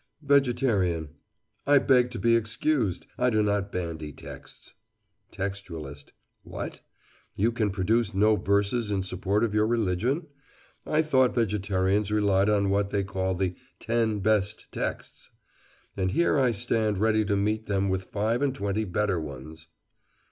VEGETARIAN: I beg to be excused. I do not bandy texts. TEXTUALIST: What? You can produce no verses in support of your religion? I thought vegetarians relied on what they call the "Ten Best Texts," and here I stand ready to meet them with five and twenty better ones.